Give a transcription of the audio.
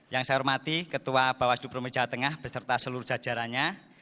yang saya hormati ketua bawaslu provinsi jawa tengah beserta seluruh jajarannya